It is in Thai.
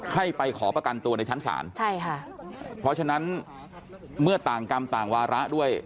ให้ไปขอประกันตัวในชั้นศาลใช่ค่ะเพราะฉะนั้นเมื่อต่างกรรมต่างวาระด้วย